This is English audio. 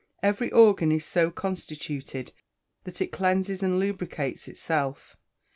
Every organ is so constituted that it cleanses and lubricates itself.